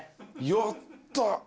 やった！